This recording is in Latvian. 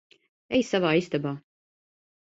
Ej savā istabā.